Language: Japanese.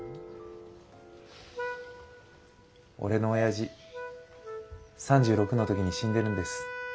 俺のおやじ３６の時に死んでるんです。